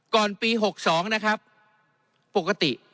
ก่อนปี๖๒นะครับปกติ